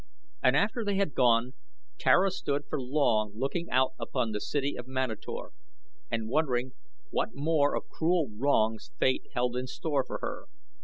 And after they had gone Tara stood for long looking out upon the city of Manator, and wondering what more of cruel wrongs Fate held in store for her.